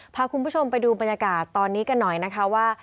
พาคุณผู้ชมไปดูบรรยากาศตอนนี้กันหน่อยนะคะว่า